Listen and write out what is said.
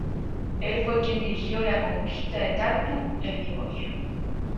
Él fue quien dirigió la conquista de Tartu en Livonia.